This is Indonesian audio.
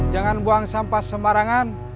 jangan buang sampah semarangan